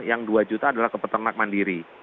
yang dua juta adalah ke peternak mandiri